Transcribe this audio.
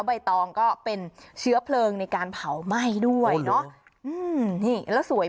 ใบตองก็เป็นเชื้อเพลิงในการเผาไหม้ด้วย